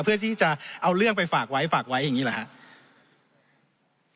เพื่อที่จะเอาเรื่องไปฝากไว้ฝากไว้อย่างนี้หรือครับ